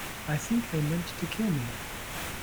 I think they meant to kill me.